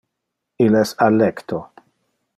Il es a lecto.